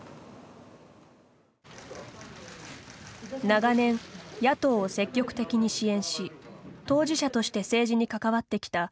長年、野党を積極的に支援し当事者として政治に関わってきた